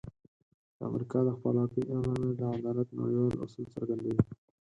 د امریکا د خپلواکۍ اعلامیه د عدالت نړیوال اصول څرګندوي.